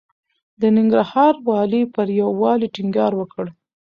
د ننګرهار والي پر يووالي ټينګار وکړ.